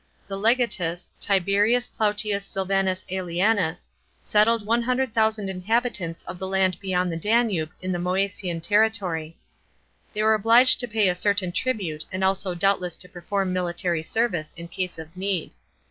The legatus, Tiberius Plautius Silvanus ^Elianus, settled 100,000 inhabitants of the land beyond the Danube in the Moesian territory. They were obliged to pay a certain tribute and also doubtless to perform military service in case of need.